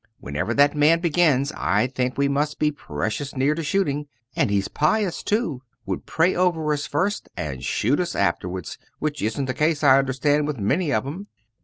Whenever that man begins, I think we must be precious near to shooting. And he's pious too, would pray over us first and shoot us afterwards which isn't the case, I understand, with many of 'em.